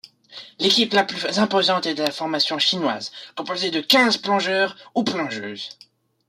L'équipe la plus imposante est la formation chinoise, composée de quinze plongeurs ou plongeuses.